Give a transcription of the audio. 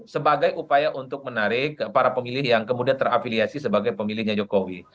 sebagai upaya untuk menarik para pemilih yang kemudian terafiliasi sebagai pemilihnya jokowi